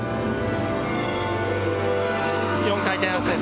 ４回転アクセル。